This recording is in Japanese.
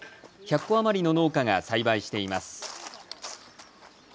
１００戸余りの農家が栽培しています。